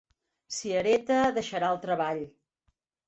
Si hereta deixarà el treball.